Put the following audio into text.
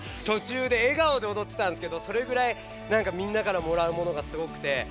とちゅうで笑顔でおどってたんですけどそれぐらいなんかみんなからもらうものがすごくて。